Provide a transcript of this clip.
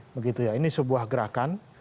begitu ya ini sebuah gerakan